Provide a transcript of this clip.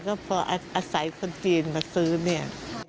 ก็พออาศัยคนจีนมาซื้อเนี่ย